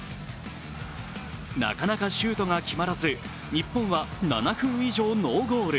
なかなかシュートが決まらず、日本は７分以上、ノーゴール。